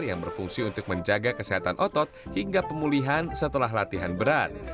yang berfungsi untuk menjaga kesehatan otot hingga pemulihan setelah latihan berat